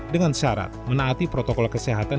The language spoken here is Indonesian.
dengan syarat menaati protokol kesehatan